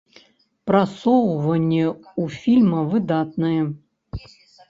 Прасоўванне ў фільма выдатнае.